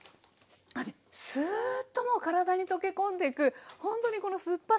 あっスーッともう体に溶け込んでいくほんとにこの酸っぱさが。